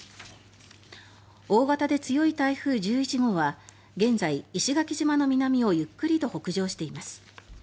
大型で強い台風１１号は現在石垣島の南をゆっくりと北上しています。